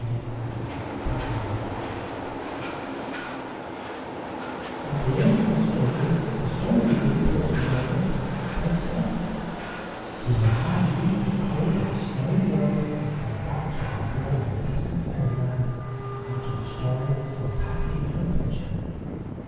XXIV PATTY AND HER PITCHER AT the end of the story the Story Lady paused a moment, and then said: "We will now leave the cold and snowy world and come back to our warm and pleasant Fairyland and to the story of Patty and her Pitcher."